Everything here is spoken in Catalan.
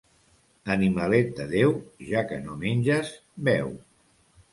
Animalet de Déu, ja que no menges, beu.